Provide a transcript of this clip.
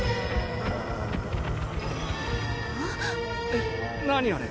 えっ何あれ？